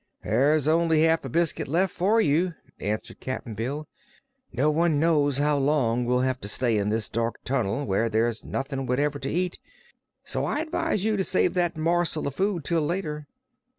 "There's only half a biscuit left for you," answered Cap'n Bill. "No one knows how long we'll have to stay in this dark tunnel, where there's nothing whatever to eat; so I advise you to save that morsel o' food till later."